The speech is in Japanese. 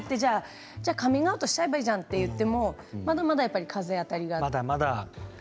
かといってカミングアウトしちゃえばいいじゃんと言ってもまだまだ風当たりが。